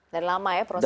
dan lama ya prosesnya